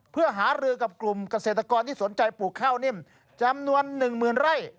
เพื่อหารือกับกลุ่มเกษตรกรที่สนใจปลูกข้าวนิ่มจำนวน๑๐๐๐ไร่